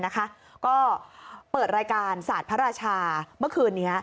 ก็เปิดรายการศาสตร์พระราชาเมื่อคืนนี้